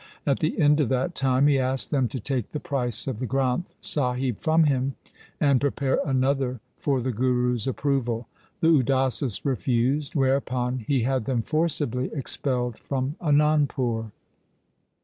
At the end of that time he asked them to take the price of the Granth Sahib from him, and prepare another for the Guru's approval. The Udasis refused; whereupon he had them forcibly expelled from Anandpur.